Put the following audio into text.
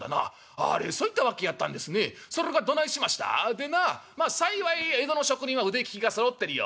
「でなまあ幸い江戸の職人は腕利きがそろってるよ。